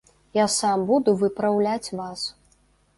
Я сам буду выпраўляць вас.